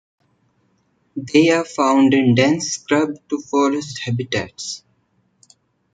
They are found in dense scrub to forest habitats.